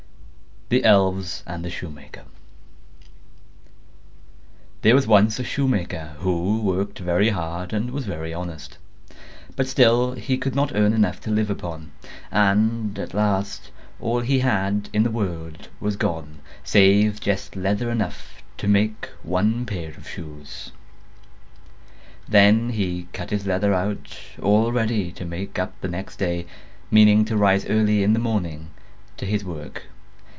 THE ELVES AND THE SHOEMAKER There was once a shoemaker, who worked very hard and was very honest: but still he could not earn enough to live upon; and at last all he had in the world was gone, save just leather enough to make one pair of shoes. Then he cut his leather out, all ready to make up the next day, meaning to rise early in the morning to his work.